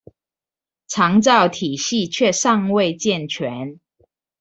長照體系卻尚未健全